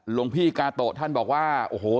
หลวงพี่กาโตะท่านบอกว่า